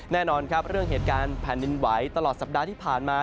แน่นอนครับเรื่องเหตุการณ์แผ่นดินไหวตลอดสัปดาห์ที่ผ่านมา